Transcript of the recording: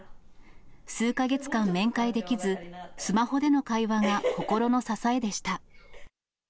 数か月間面会できず、スマホでの会話が心の支えでした。